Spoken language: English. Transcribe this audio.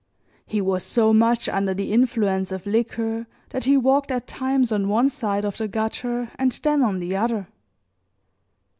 He was so much under the influence of liquor that he walked at times on one side of the gutter and then on the other.